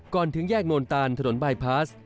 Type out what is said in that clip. ก่อนถึงแยกโน่นต่างถนนบายพาส